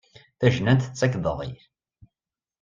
Tajnant tettak-d aḍil.